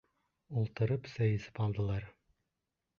Ултырып сәй эсеп алдылар.